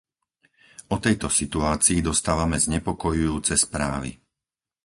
O tejto situácii dostávame znepokojujúce správy.